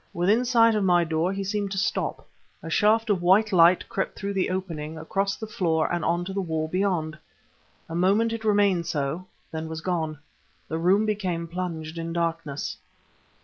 Within sight of my door he seemed to stop; a shaft of white light crept through the opening, across the floor and on to the wall beyond. A moment it remained so then was gone. The room became plunged in darkness.